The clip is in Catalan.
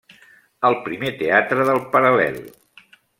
El primer teatre del Paral·lel.